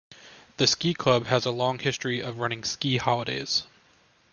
The Ski Club has a long history of running ski holidays.